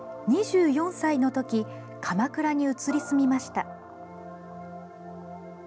２４歳のとき鎌倉に移り住みました。